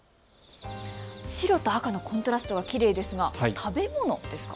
白と赤のコントラストがきれいですが、食べ物ですか？